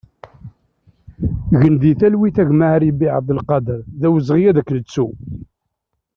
Gen di talwit a gma Aribi Abdelkader, d awezɣi ad k-nettu!